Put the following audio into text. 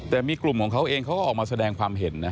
แต่มีกลุ่มของเขาเองเขาก็ออกมาแสดงความเห็นนะ